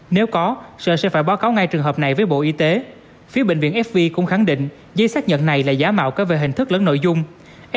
nếu có sở sẽ phải báo cáo ngay trường hợp này với bộ y tế